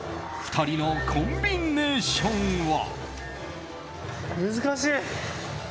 ２人のコンビネーションは。